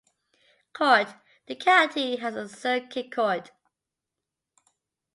Court: The county has a Circuit Court.